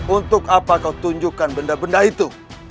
untuk apa kau tunjukkan benda benda itu